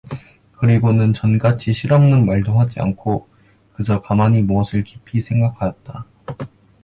그리고는 전같이 실없는 말도 하지 않고 그저 가만히 무엇을 깊이 생각하였다.